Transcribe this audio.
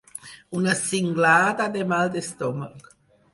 Una cinglada de mal d'estómac.